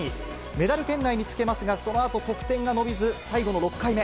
メダル圏内につけますが、そのあと得点が伸びず、最後の６回目。